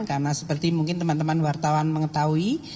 karena seperti mungkin teman teman wartawan mengetahui